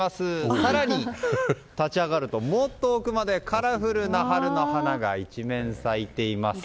更に、立ち上がるともっと奥までカラフルな春の花が一面、咲いています。